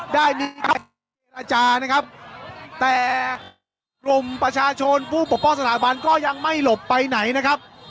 ได้มีการเจรจานะครับแต่กลุ่มประชาชนผู้ปกป้องสถาบันก็ยังไม่หลบไปไหนนะครับ